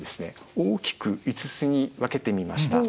大きく５つに分けてみました。